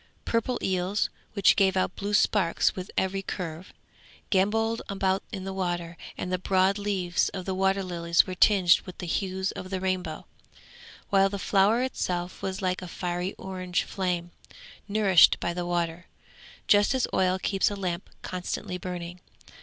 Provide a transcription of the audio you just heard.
Purple eels, which gave out blue sparks with every curve, gambolled about in the water; and the broad leaves of the water lilies were tinged with the hues of the rainbow, while the flower itself was like a fiery orange flame, nourished by the water, just as oil keeps a lamp constantly burning.